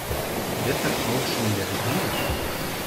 Wer vertraut schon der Regierung?